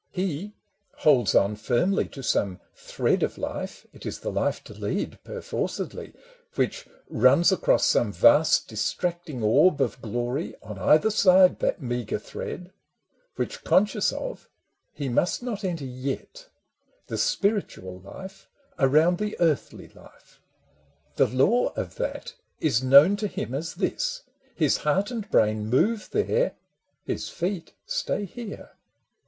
He holds on firmly to some thread of life — (It is the life to lead perforcedly) Which runs across some vast distracting orb Of glory on either side that meagre thread, Which, conscious of, he must not enter yet — The spiritual life around the earthly life : The law of that is known to him as this, His heart and brain move there, his feet stay here.